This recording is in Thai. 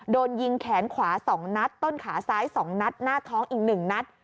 โดนยิงแขนขวาสองนัดต้นขาซ้ายสองนัดหน้าท้องอีกหนึ่งนัด